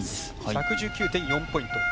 １１９．４ポイント。